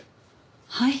はい？